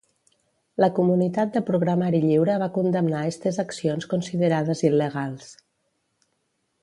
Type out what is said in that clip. La comunitat de programari lliure va condemnar estes accions considerades il·legals.